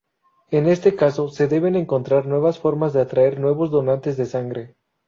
En este caso, se deben encontrar nuevas formas de atraer nuevos donantes de sangre.